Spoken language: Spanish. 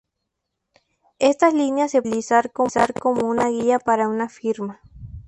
Estas líneas se puede utilizar como una guía para una firma.